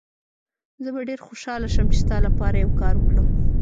زه به ډېر خوشحاله شم چي ستا لپاره یو کار وکړم.